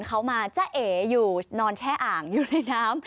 เขามาจ้าเอ๋อยู่นอนแช่อ่างอยู่ในน้ำ